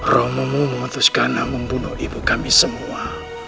romo memutuskan membunuh ibu kami semua